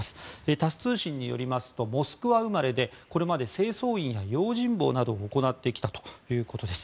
タス通信によりますとモスクワ生まれでこれまでに清掃員や用心棒などを行ってきたということです。